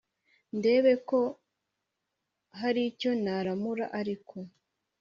ndebe ko hari icyo naramura Ariko